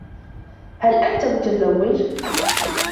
هل انت متزوج؟